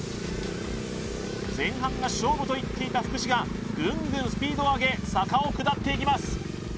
前半が勝負と言っていた福士がぐんぐんスピードを上げ坂を下っていきます